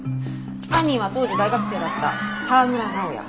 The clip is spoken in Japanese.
犯人は当時大学生だった沢村直哉。